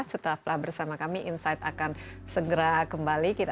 setelah bersama kami insight akan segera kembali